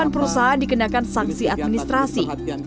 delapan perusahaan dikenakan sanksi administrasi